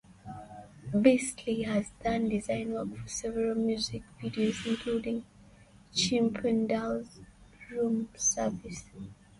Bisley has done design work for several music videos, including Chippendales' "Room Service".